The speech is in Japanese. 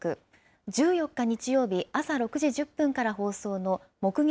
１４日日曜日朝６時１０分から放送の目撃！